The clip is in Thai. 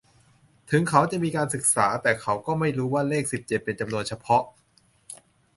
ถึงเขาจะมีการศึกษา แต่เขาก็ไม่รู้ว่าเลขสิบเจ็ดเป็นจำนวนเฉพาะ